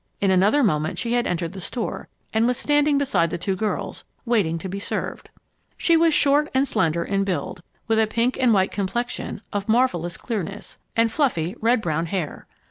In another moment she had entered the store and was standing beside the two girls, waiting to be served. She was short and slender in build, with a pink and white complexion, of marvelous clearness, and fluffy, red brown hair.